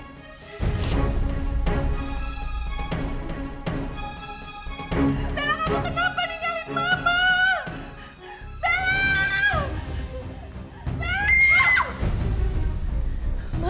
bella kamu kenapa tinggalin mama